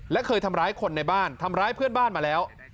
และเคยทำร้ายคนในบ้านทำร้ายเพื่อนบ้านมาแล้ว